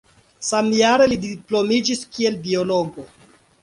Samjare li diplomiĝis kiel biologo.